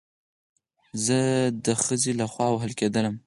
زه د خځې له خوا وهل کېدلم